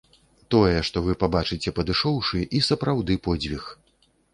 Тое, што вы пабачыце, падышоўшы, і сапраўды подзвіг.